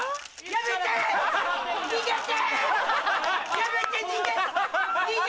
やめて！